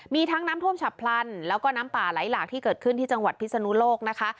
มีทั้งน้ำท่วมฉับพลันแล้วก็น้ำป่าไหลหลากที่เกิดขึ้นที่จังหวัดพิศนุโลกนะคะ